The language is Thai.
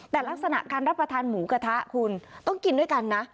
แต่ลักษณะการรับประทานหมูกระทะคุณต้องกินด้วยกันนะ